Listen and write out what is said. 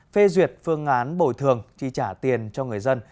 phê duyệt phương án bồi thường chi trả tiền cho người dân